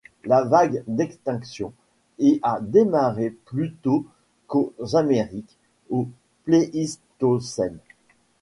La vague d'extinctions y a démarré plus tôt qu'aux Amériques, au Pléistocène.